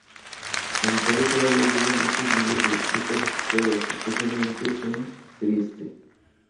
En Italia todavía viven muchos miles de estos refugiados, especialmente en Trieste.